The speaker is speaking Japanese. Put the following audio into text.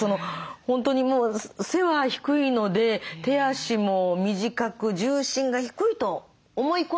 本当にもう背は低いので手足も短く重心が低いと思い込んでました。